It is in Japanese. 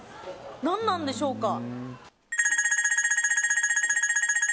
何なんでしょうか。